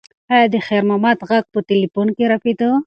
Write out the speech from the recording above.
ایا د خیر محمد غږ په تلیفون کې رپېده؟